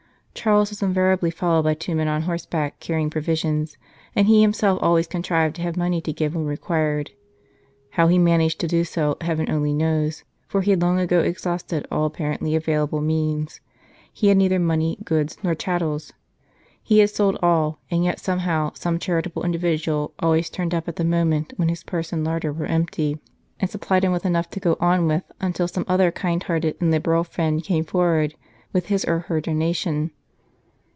Charles was invariably followed by two men on horseback carrying provisions, and he himself always contrived to have money to give when required. How he managed to do so Heaven only knows, for he had long ago exhausted all apparently available means ; he had neither money, goods, nor chattels ; he had sold all, and yet, somehow, some charitable individual always turned up at the moment when his purse and larder were empty, and supplied him with enough to go on with until some other kind hearted and liberal friend came forward with his or her donation.